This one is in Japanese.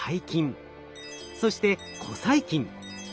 そして古細菌。